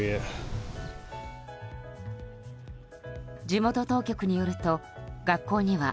地元当局によると、学校には